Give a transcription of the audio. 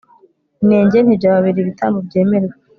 inenge ntibyababera ibitambo byemerwa